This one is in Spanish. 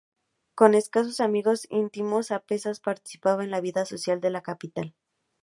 Con escasos amigos íntimos, apenas participaba en la vida social de la capital.